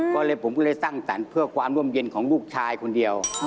ก็เลยผมก็เลยสร้างสรรค์เพื่อความร่มเย็นของลูกชายคนเดียว